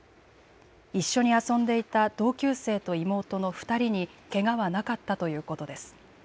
一緒に遊んでいた同級生と妹の２人にけがはなかったということです。